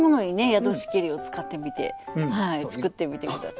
「宿しけり」を使ってみて作ってみて下さい。